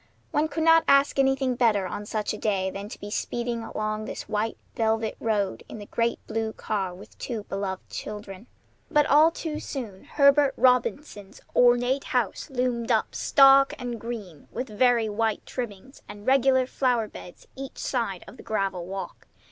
One could not ask anything better on such a day than to be speeding along this white velvet road in the great blue car with two beloved children. But all too soon Herbert Robinson's ornate house loomed up, stark and green, with very white trimmings, and regular flower beds each side of the gravel walk.